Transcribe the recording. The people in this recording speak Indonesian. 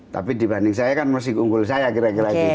tapi dibanding saya kan masih unggul saya kira kira gitu